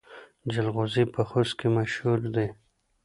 جلغوزي په خوست کې مشهور دي